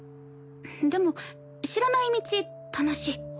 でも知らない道楽しい。